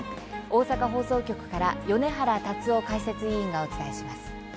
大阪放送局から米原達生解説委員がお伝えします。